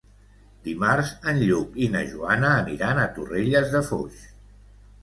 Dimarts en Lluc i na Joana aniran a Torrelles de Foix.